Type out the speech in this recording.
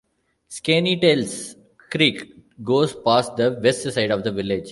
Skaneateles Creek goes past the west side of the village.